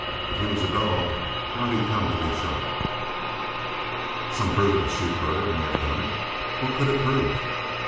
If he was a dog how'd he come to be shot " "Some brute of a sheep herder may have done it. What could it prove?"